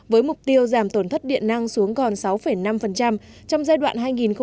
với mục tiêu giảm tổn thất điện năng xuống còn sáu năm trong giai đoạn hai nghìn một mươi sáu hai nghìn hai mươi